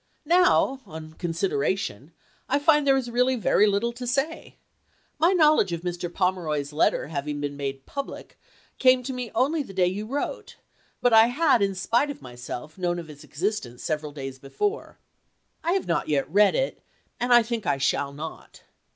Now, on consideration, I find there is really very little to say. My knowledge of Mr. Pomeroy's letter hav ing been made public came to me only the day you wrote, but I had, in spite of myself, known of its existence sev eral days before. I have not yet read it, and I think I shall not.